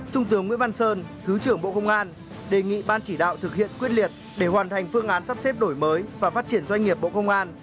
trung tướng nguyễn văn sơn thứ trưởng bộ công an đề nghị ban chỉ đạo thực hiện quyết liệt để hoàn thành phương án sắp xếp đổi mới và phát triển doanh nghiệp bộ công an